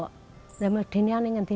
kami diberi alih dari pembelajaran kami